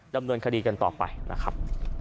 ดำเนินคดีกันต่อไปนะครับ